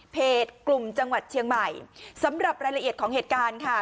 กลุ่มจังหวัดเชียงใหม่สำหรับรายละเอียดของเหตุการณ์ค่ะ